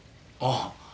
ああ。